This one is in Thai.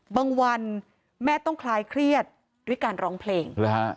วันแม่ต้องคลายเครียดด้วยการร้องเพลง